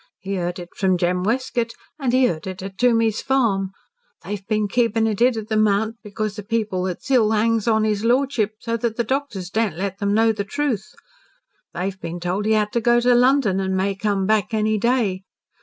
He heard it from Jem Wesgate, an' he heard it at Toomy's farm. They've been keepin' it hid at the Mount because the people that's ill hangs on his lordship so that the doctors daren't let them know the truth. They've been told he had to go to London an' may come back any day.